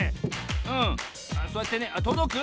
そうやってねとどく？